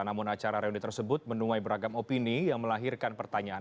namun acara reuni tersebut menuai beragam opini yang melahirkan pertanyaan